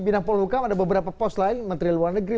binang pol muka ada beberapa pos lain menteri luar negeri